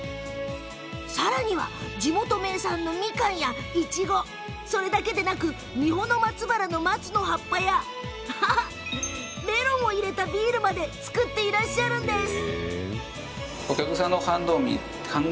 さらには、地元名産のみかんやいちごだけでなく三保の松原の松の葉っぱやメロンを入れたビールまで造っているんです。